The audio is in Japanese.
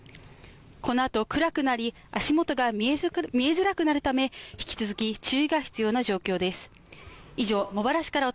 このあと、暗くなり足元が見えづらくなるため、引き続き注意が必要な状況です。